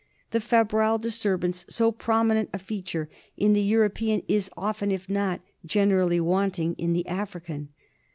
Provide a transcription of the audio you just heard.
The febrile disturbance, so prominent a feature in the European, is often, if not generally, wanting in the African.